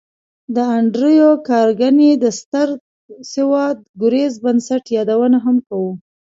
د انډریو کارنګي د ستر سوداګریز بنسټ یادونه هم کوو